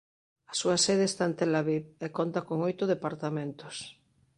A súa sede está en Tel Aviv e conta con oito departamentos.